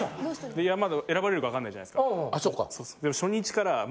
いやまだ選ばれるかわかんないじゃないですか。